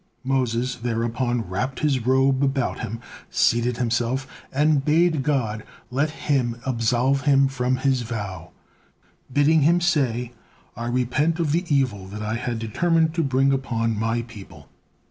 Moses thereupon wrapped his robe about him, seated himself, and bade God let him absolve Him from his vow, bidding Him say: "I repent of the evil that I had determined to bring upon My people."